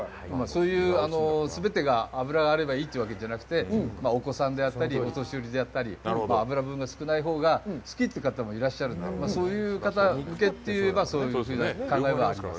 そういう全てが脂があればいいというわけではなくて、お子さんであったり、お年寄りであったり、脂分が少ないほうが好きという方もいらっしゃいますのでそういう方向けといえばそういう考えもあります。